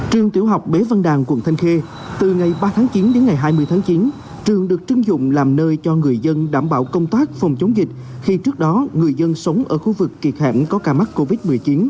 trường tiểu học bế văn đàn quận thanh khê từ ngày ba tháng chín đến ngày hai mươi tháng chín trường được chưng dụng làm nơi cho người dân đảm bảo công tác phòng chống dịch khi trước đó người dân sống ở khu vực kiệt hẻm có ca mắc covid một mươi chín